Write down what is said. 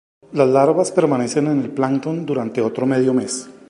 Las larvas permanecen en el plancton durante otro medio mes.